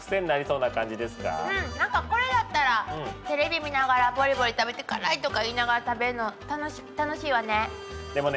うんなんかこれだったらテレビ見ながらぼりぼり食べて辛いとか言いながら食べるの楽しいわね。